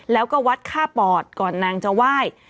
แล้วก็วัดค่าปอดก่อนนางจะไหว้